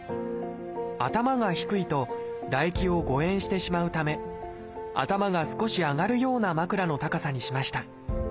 頭が低いと唾液を誤えんしてしまうため頭が少し上がるような枕の高さにしました。